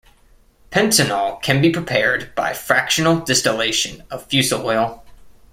Pentanol can be prepared by fractional distillation of fusel oil.